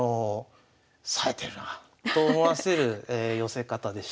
さえてるなと思わせる寄せ方でした。